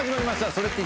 「それって！？